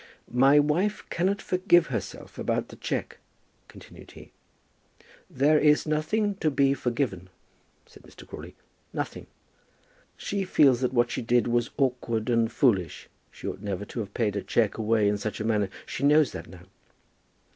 "My wife cannot forgive herself about the cheque," continued he. "There is nothing to be forgiven," said Mr. Crawley; "nothing." "She feels that what she did was awkward and foolish. She ought never to have paid a cheque away in such a manner. She knows that now."